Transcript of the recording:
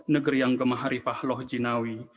negeri yang gemah rifah loh jinawi